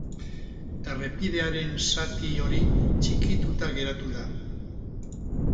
Errepidearen zati hori txikituta geratu da.